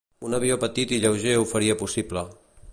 Un avió petit i lleuger ho faria possible.